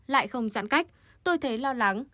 lại không giãn cách tôi thấy lo lắng